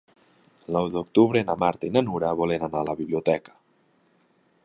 El nou d'octubre na Marta i na Nura volen anar a la biblioteca.